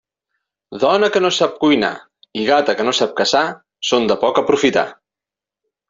Dona que no sap cuinar i gata que no sap caçar són de poc aprofitar.